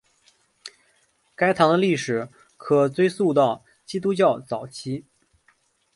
该堂的历史可追溯到基督教早期。